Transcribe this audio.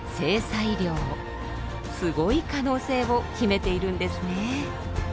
すごい可能性を秘めているんですね。